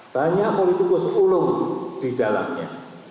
banyak politikus uluh di dalamnya